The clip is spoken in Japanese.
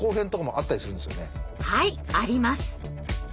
はいあります！